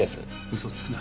嘘をつくな。